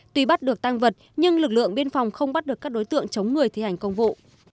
tuy bắt được tăng vật nhưng lực lượng biên phòng không bắt được các đối tượng chống người thi hành công vụ